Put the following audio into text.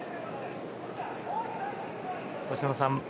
星野さん